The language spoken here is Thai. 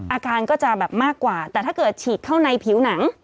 อาการก็จะแบบมากกว่าแต่ถ้าเกิดฉีกเข้าในผิวหนัง